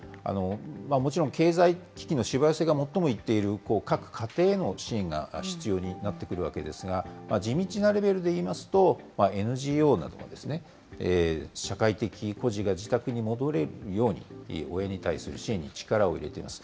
もちろん、経済危機のしわ寄せが最もいっている各家庭への支援が必要になってくるわけですが、地道なレベルでいいますと、ＮＧＯなどが、社会的孤児が自宅に戻れるように、親に対する支援に力を入れています。